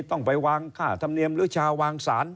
ต้องไปวางค่าธรรมเนียมหรือชาวางสาร